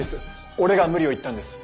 俺が無理を言ったんです。